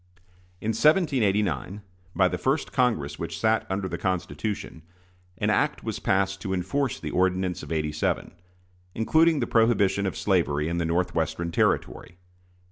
In 1789, by the first Congress which sat under the Constitution, an act was passed to enforce the ordinance of '87, including the prohibition of slavery in the Northwestern Territory.